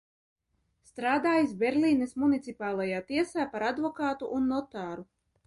Strādājis Berlīnes municipālajā tiesā par advokātu un notāru.